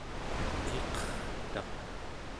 iqertaq